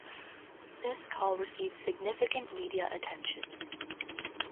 This call received significant media attention.